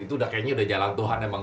itu udah kayaknya udah jalan tuhan emang